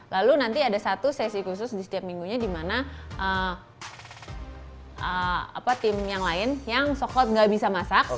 lalu nanti ada satu sesi khusus di setiap minggunya dimana tim yang lain yang soko gak bisa masak